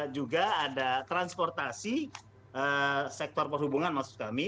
juga ada transportasi sektor perhubungan maksud kami